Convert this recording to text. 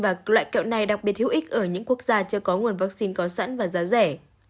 và loại kẹo này đặc biệt hữu ích ở những quốc gia chưa có nguồn vaccine có sẵn và giá rẻ